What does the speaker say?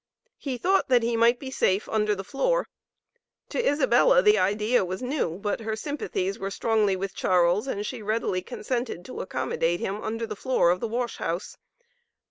He thought that he might be safe under the floor. To Isabella the idea was new, but her sympathies were strongly with Charles, and she readily consented to accommodate him under the floor of the wash house.